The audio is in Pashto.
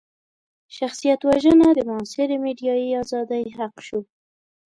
شخصيت وژنه د معاصرې ميډيايي ازادۍ حق شو.